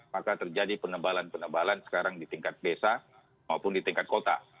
maka terjadi penebalan penebalan sekarang di tingkat desa maupun di tingkat kota